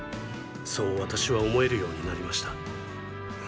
そう私は思えるようになりました。